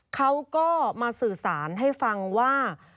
เขาก็มาสื่อสารให้ฟังว่า